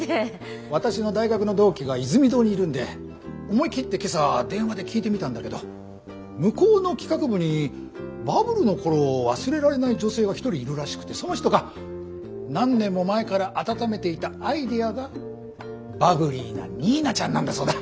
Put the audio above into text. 私の大学の同期がイズミ堂にいるんで思い切って今朝電話で聞いてみたんだけど向こうの企画部にバブルの頃を忘れられない女性が一人いるらしくてその人が何年も前から温めていたアイデアがバブリーなニーナちゃんなんだそうだ。